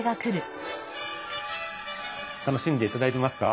楽しんでいただいてますか？